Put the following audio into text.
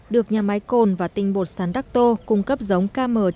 được nhà máy cồn và tinh bột sắn đắc tô cung cấp giống km chín trăm tám mươi năm